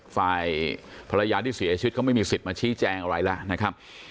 ฝ่ายภรรยาที่เสียชีวิตเขาไม่มีสิทธิ์มาชี้แจงอะไรแล้วนะครับ